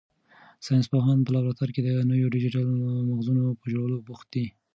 ساینس پوهان په لابراتوار کې د نویو ډیجیټل مغزونو په جوړولو بوخت دي.